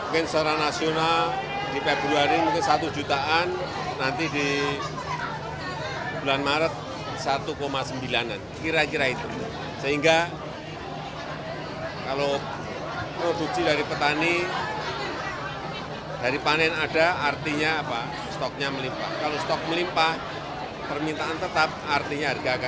kalau stok melimpa permintaan tetap artinya harga akan secara otomatis akan turun